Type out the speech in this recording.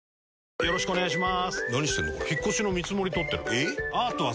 よろしくお願いします。